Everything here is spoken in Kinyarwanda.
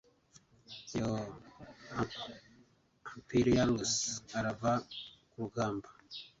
Yoo Amphiaraùs urava kurugamba